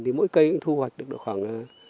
thì mỗi cây cũng thu hoạch được được khoảng